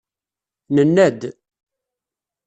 Nenna-d.